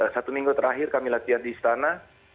satu minggu terakhir kami latihan di istana